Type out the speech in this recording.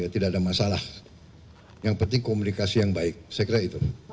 tidak ada masalah yang penting komunikasi yang baik saya kira itu